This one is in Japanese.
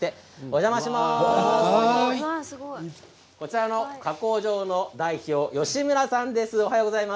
すごい。こちらの加工場の代表の吉村さんです。